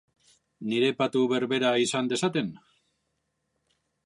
Nire patu berbera izan dezaten?